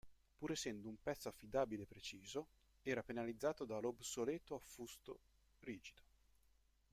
Pur essendo un pezzo affidabile e preciso, era penalizzato dall'obsoleto affusto rigido.